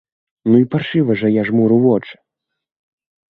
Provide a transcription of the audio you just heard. Ну і паршыва жа я жмуру вочы!